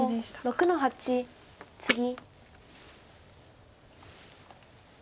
白６の八ツギ。